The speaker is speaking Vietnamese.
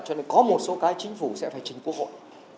cho nên có một số cái chính phủ sẽ phải chỉnh quốc hội